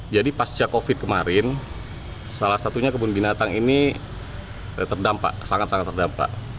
jadi pasca covid kemarin salah satunya kebun binatang ini terdampak sangat sangat terdampak